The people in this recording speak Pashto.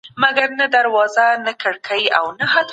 تا د رسا صاحب یو ډیر ښکلی ناول لوستی دی.